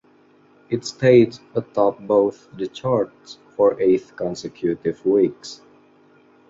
It stayed atop both the charts for eight consecutive weeks.